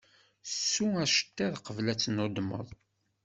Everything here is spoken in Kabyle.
Ssu aceṭṭiḍ, qbel ad tennudmeḍ.